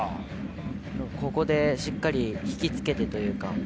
ここでしっかりひきつけてというか。